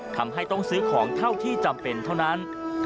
ทำให้ต้องซื้อของเท่าที่จำเป็นเท่านั้น